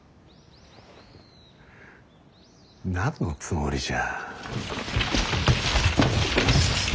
何のつもりじゃ。